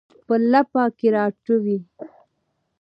په لپه کې راټوي